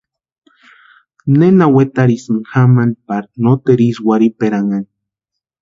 ¿Nena wetarhisïnki jamani pari noteru ísï warhiperanhani?